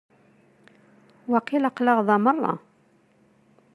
Waqil aql-aɣ da merra.